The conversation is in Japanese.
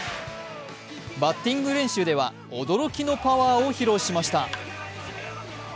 バッティング練習では驚きのパワーを披露しました。